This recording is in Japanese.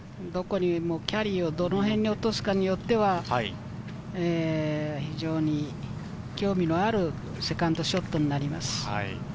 キャリーをどの辺に落とすかによっては、非常に興味のあるセカンドショットになります。